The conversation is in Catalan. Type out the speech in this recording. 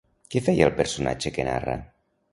Què feia el personatge que narra?